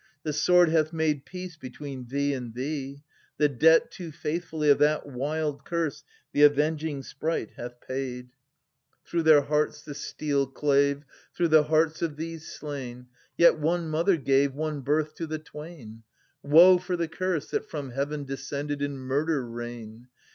— the sword hath made Peace between thee and thee : the debt too faithfully Of that wild Curse the Avenging Sprite hath paid. 40 ^SCHYLUS. {Str. 2) Through their hearts the steel clave, Through the hearts of these slain ; Yet one mother gave One birth to the twain. 890 Woe for the Curse that from heaven descended in murder rain